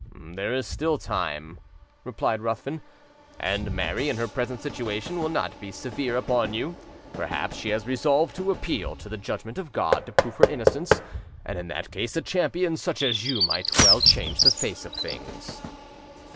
"There is still time," replied Ruthven, "and Mary, in her present situation, will not be severe upon you: perhaps she has resolved to appeal to the judgment of God to prove her innocence, and in that case a champion such as you might well change the face of things."